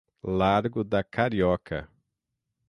Largo da Carioca